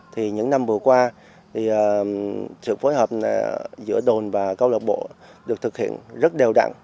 thì những năm vừa qua thì sự phối hợp giữa đồn và câu lạc bộ được thực hiện rất đều đặn